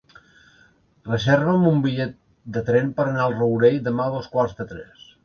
Reserva'm un bitllet de tren per anar al Rourell demà a dos quarts de tres.